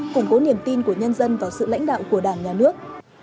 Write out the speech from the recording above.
của đảng nhà nước